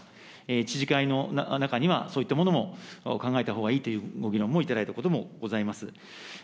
知事会の中にはそういったものも考えたほうがいいというご議論もいただいたこともございます。